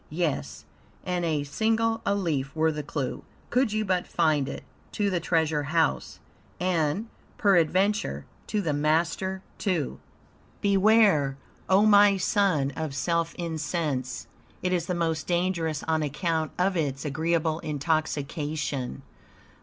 Yes, and a single alif were the clue Could you but find it to the treasure house, And, peradventure, to THE MASTER, too. "Beware, O my son, of self incense. It is the most dangerous on account of its agreeable intoxication.